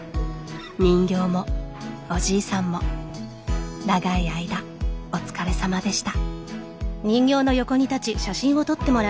人形もおじいさんも長い間お疲れさまでした。